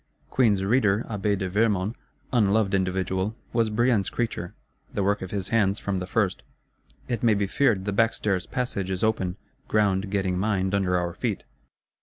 Queen's Reader Abbé de Vermond, unloved individual, was Brienne's creature, the work of his hands from the first: it may be feared the backstairs passage is open, ground getting mined under our feet.